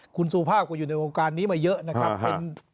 คุณสุภาพก็อยู่ในวงการนี้มาเยอะนะครับ